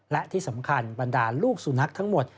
และที่สำคัญบรรดาลูกสุนัขทั้งหมด